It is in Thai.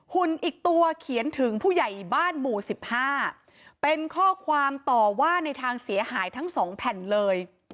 หุ่นอีกตัวเขียนถึงผู้ใหญ่บ้านหมู่๑๕เป็นข้อความต่อว่าในทางเสียหายทั้งสองแผ่นเลย